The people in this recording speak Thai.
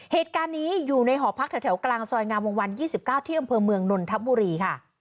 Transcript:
เหตุการณ์นี้อยู่ในหอพักแถวกลางซอยงามวงวัน๒๙ที่อำเภอเมืองนนทบุรีค่ะ